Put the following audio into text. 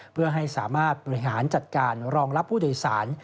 เพื่อให้สามารถบริหารจัดการรองรับผู้โดยสาร